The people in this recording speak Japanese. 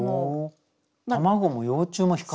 卵も幼虫も光る？